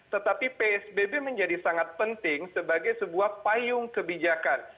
tetapi psbb menjadi sangat penting sebagai sebuah payung kebijakan